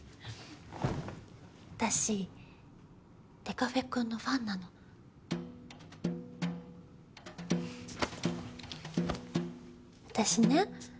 私デカフェくんのファンなの私ね